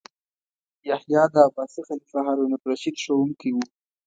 یحیی د عباسي خلیفه هارون الرشید ښوونکی و.